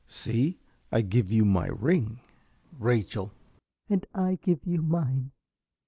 See, I give you my ring! ~Rachel.~ And I give you mine.